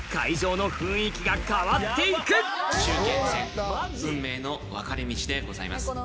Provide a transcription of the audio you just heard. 中堅戦運命の分かれ道でございます。